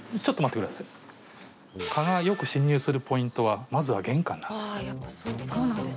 蚊がよく侵入するポイントは、まずは玄関なんです。